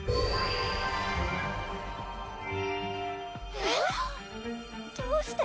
えっ⁉どうして？